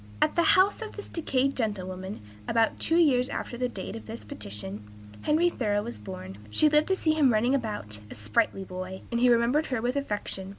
At the house of this decayed gentlewoman, about two years after the date of this petition, Henry Thoreau was born. She lived to see him running about, a sprightly boy, and he remembered her with affection.